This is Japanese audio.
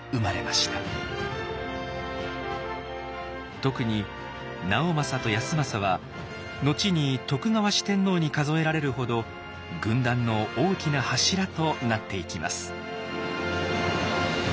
特に直政と康政は後に徳川四天王に数えられるほど軍団の大きな柱となっていきます。